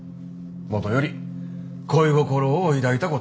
もとより恋心を抱いたことはなか。